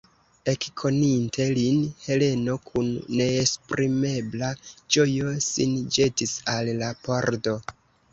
Ekkoninte lin, Heleno kun neesprimebla ĝojo sin ĵetis al la pordo.